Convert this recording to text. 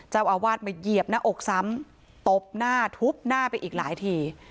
เจ้าอาวาสมาเหยียบหน้าอกซ้ำตบหน้าทุบหน้าไปอีกหลายที